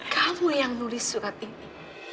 kamu yang nulis surat ini